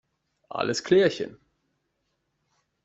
Alles klärchen!